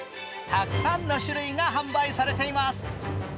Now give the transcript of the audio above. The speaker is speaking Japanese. たくさんの種類が販売されています。